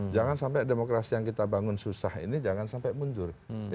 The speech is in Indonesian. jangan sampai demokrasi yang kita bangun susah ini jangan sampai mundur